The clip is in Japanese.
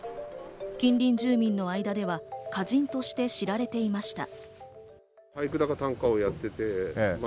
近隣住民の間では歌人として知られていました。